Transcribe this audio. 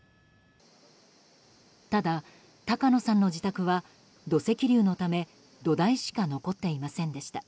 ただ、高野さんの自宅は土石流のため土台しか残っていませんでした。